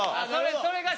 それが。